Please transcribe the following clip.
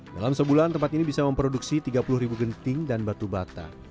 dalam sebulan tempat ini bisa memproduksi tiga puluh ribu genting dan batu bata